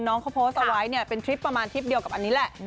น้องเขาโพสต์เอาไว้เนี่ยเป็นทริปประมาณทริปเดียวกับอันนี้แหละ